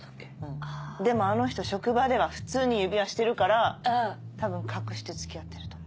でもあの人職場では普通に指輪してるから多分隠して付き合ってると思う。